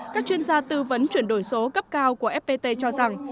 các chuyên gia tư vấn chuyển đổi số cấp cao của fpt cho rằng